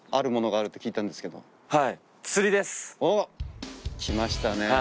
おっ来ましたね。